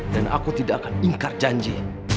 dan aku tidak akan ingkar janji